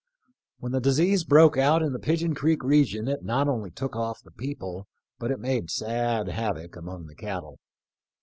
When the disease broke out in the Pigeon creek region it not only took off the people, but it made sad havoc among the cattle.